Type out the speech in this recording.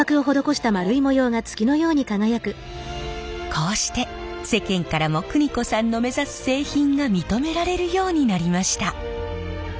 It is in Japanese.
こうして世間からも邦子さんの目指す製品が認められるようになりました。